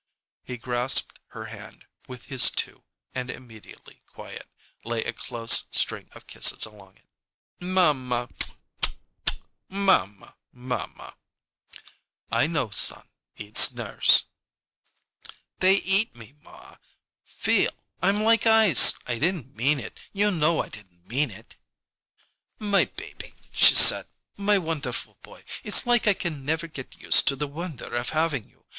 He grasped her hand with his two and, immediately quiet, lay a close string of kisses along it. "Mamma," he said, kissing again and again into the palm, "mamma mamma." "I know, son; it's nerves!" "They eat me, ma. Feel I'm like ice! I didn't mean it; you know I didn't mean it!" "My baby," she said, "my wonderful boy, it's like I can never get used to the wonder of having you.